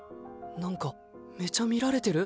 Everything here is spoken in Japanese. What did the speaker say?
なんかめちゃ見られてる？